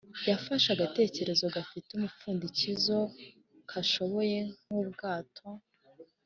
Yafashe agatebo gafite umupfundikizo kaboshye nk ubwato